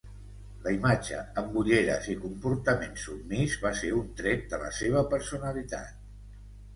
La imatge amb ulleres i comportament submís va ser un tret de la seva personalitat.